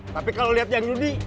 tapi kalau lihat yang ini